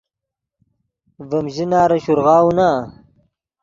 ڤیم ژناری شورغاؤو نا